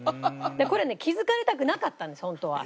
これね気づかれたくなかったんですホントは。